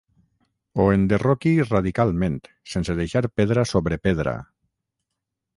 Ho enderroqui radicalment, sense deixar pedra sobre pedra.